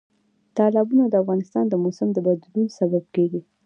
تالابونه د افغانستان د موسم د بدلون سبب کېږي.